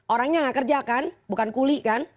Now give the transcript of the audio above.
orangnya nggak kerja kan bukan kuli kan